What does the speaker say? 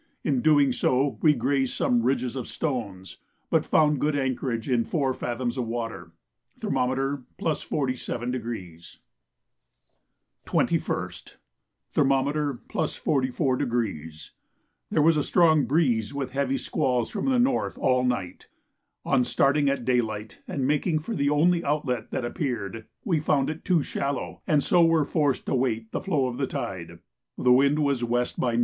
In doing so we grazed some ridges of stones, but found good anchorage in four fathoms water. Thermometer +47°. 21st. Thermometer +44°. There was a strong breeze with heavy squalls from the north all night. On starting at daylight and making for the only outlet that appeared, we found it too shallow, and so were forced to wait the flow of the tide. The wind was W. by N.